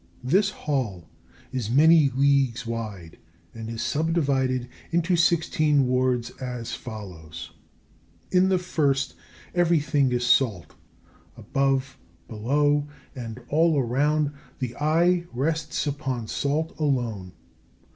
This Hall is many leagues wide, and is subdivided into sixteen wards, as follows: In the first everything is Salt; above, below, and all round, the eye rests upon Salt alone.